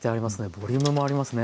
ボリュームもありますね。